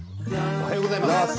おはようございます。